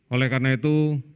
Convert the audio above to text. oleh karena itu